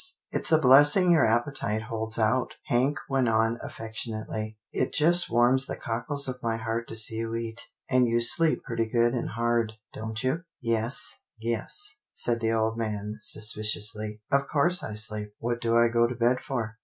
" It's a blessing your appetite holds out," Hank went on affectionately, " it just warms the cockles of my heart to see you eat, and you sleep pretty good and hard, don't you? "" Yes, yes," said the old man, suspiciously, " of course I sleep. What do I go to bed for?